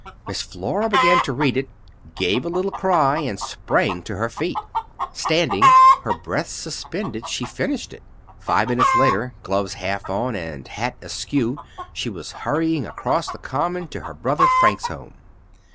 Miss Flora began to read it, gave a little cry, and sprang to her feet. Standing, her breath suspended, she finished it. Five minutes later, gloves half on and hat askew, she was hurrying across the common to her brother Frank's home.